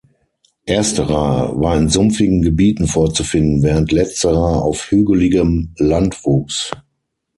Ersterer war in sumpfigen Gebieten vorzufinden, während letzterer auf hügeligem Land wuchs.